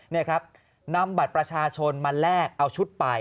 นี่ครับนำบัตรประชาชนมาแลกเอาชุดไป